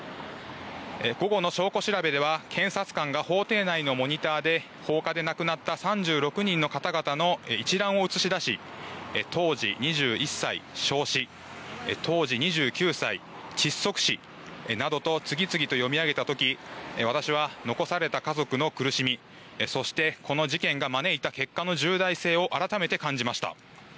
午後の証拠調べでは、検察官が法廷内のモニターで、放火で亡くなった３６人の方々の一覧を映し出し、当時２１歳焼死、当時２９歳窒息死などと次々と読み上げたとき、私は残された家族の苦しみ、そしてこの事件が招いた結果の重大性を改めて感じました。